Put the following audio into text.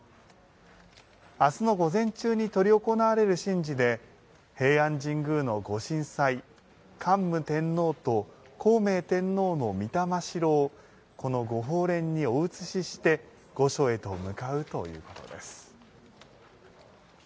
明日の午前中に執り行われる神事で平安神宮の御祭神・桓武天皇と孝明天皇の御霊代をこの御鳳輦にお移しして御所へと向かうということです。